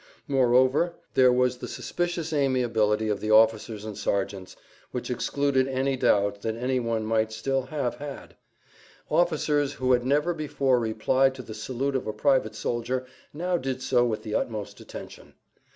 Moreover, there was the suspicious amiability of the officers and sergeants, which excluded any doubt that any one[Pg 2] might still have had. Officers who had never before replied to the salute of a private soldier now did so with the utmost attention.